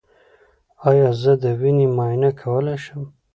ایا زه د وینې معاینه کولی شم؟